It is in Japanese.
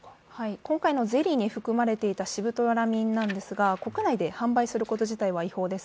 今回のゼリーに含まれていたシブトラミンなんですが、国内で販売すること自体は違法です。